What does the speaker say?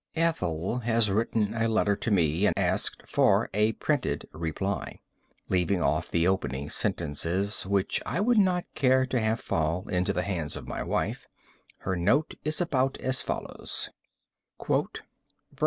"Ethel" has written a letter to me and asked for a printed reply. Leaving off the opening sentences, which I would not care to have fall into the hands of my wife, her note is about as follows: " Vt.